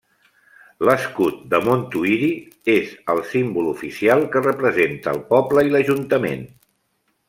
L'escut de Montuïri és el símbol oficial que representa el poble i l'ajuntament.